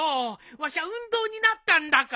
わしゃ運動になったんだから。